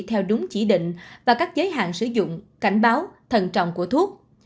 theo đúng chỉ định và các giới hạn sử dụng cảnh báo thần trọng của thuốc